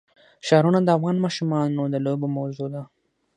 ښارونه د افغان ماشومانو د لوبو موضوع ده.